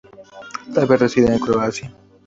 Tal vez resida en Cracovia.